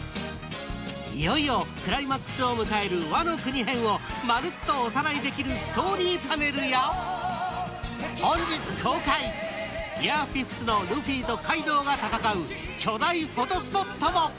いよいよクライマックスを迎える「ワノ国編」をまるっとおさらいできるストーリーパネルや本日公開ギア５のルフィとカイドウが戦う巨大フォトスポットも！